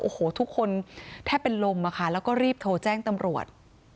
โอ้โหทุกคนแทบเป็นลมอะค่ะแล้วก็รีบโทรแจ้งตำรวจ